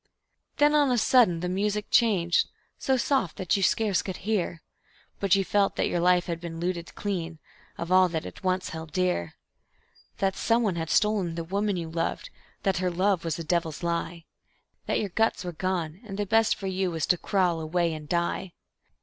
Then on a sudden the music changed, so soft that you scarce could hear; But you felt that your life had been looted clean of all that it once held dear; That someone had stolen the woman you loved; that her love was a devil's lie; That your guts were gone, and the best for you was to crawl away and die.